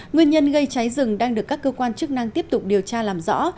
nguyên nhân gây cháy rừng đang được các cơ quan chức năng tiếp tục điều tra làm rõ